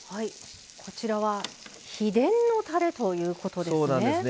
こちらは秘伝だれということですね。